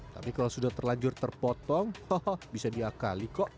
tapi kalau sudah terlanjur terpotong bisa diakali kok